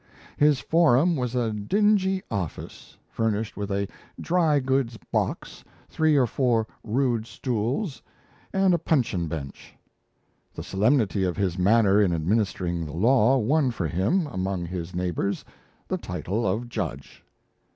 His forum was a "dingy" office, furnished with "a dry goods box, three or four rude stools, and a puncheon bench." The solemnity of his manner in administering the law won for him, among his neighbours, the title of Judge.